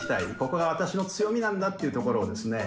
ここが私の強みなんだっていうところをですね